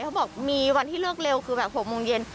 เขาบอกมีวันที่เลือกเร็วคือแบบ๖โมงเย็น